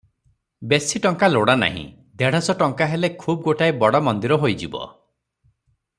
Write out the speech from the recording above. ବେଶି ଟଙ୍କା ଲୋଡ଼ା ନାହିଁ, ଦେଢ଼ଶ ଟଙ୍କା ହେଲେ ଖୁବ୍ ଗୋଟାଏ ବଡ଼ ମନ୍ଦିର ହୋଇଯିବ ।